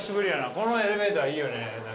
このエレベーターいいよね。